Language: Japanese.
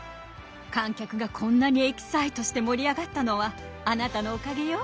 観客がこんなにエキサイトして盛り上がったのはあなたのおかげよ。